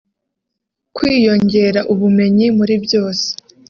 kwiyongera ubumenyi muri byose